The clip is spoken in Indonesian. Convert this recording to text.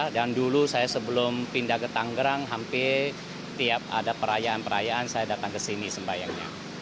dan dulu saya sebelum pindah ke tanggerang hampir tiap ada perayaan perayaan saya datang ke sini sembahyangnya